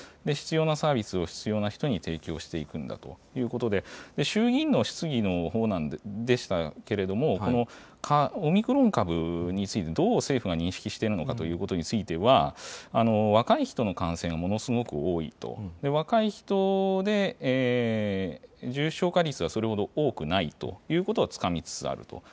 必要なサービスを必要な人に提供していくんだということで、衆議院の質疑のほうでしたけれども、このオミクロン株について、どう政府が認識しているのかということについては、若い人の感染、ものすごく多いと、若い人で、重症化率がそれほど多くないということはつかみつつあると。